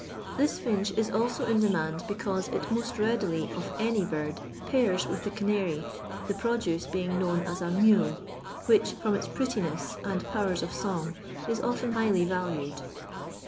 This finch is also in demand because it most readily of any bird pairs with the canary, the produce being known as a "mule, which, from its prettiness and powers of song, is often highly valued.